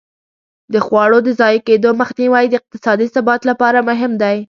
د خواړو د ضایع کېدو مخنیوی د اقتصادي ثبات لپاره مهم دی.